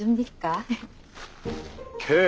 え？